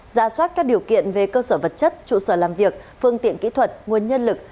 ra soát các điều kiện về cơ sở vật chất trụ sở làm việc phương tiện kỹ thuật nguồn nhân lực